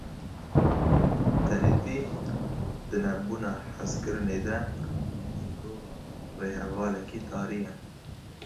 Tenêtî, di nebûna hezkirinê de ji mirovan re rêhevalekî tarî ye.